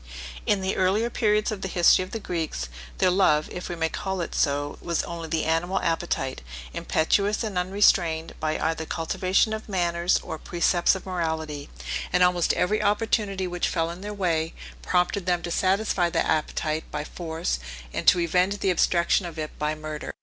In the earlier periods of the history of the Greeks, their love, if we may call it so, was only the animal appetite, impetuous and unrestrained either by cultivation of manners, or precepts of morality; and almost every opportunity which fell in their way, prompted them to satisfy that appetite by force, and to revenge the obstruction of it by murder.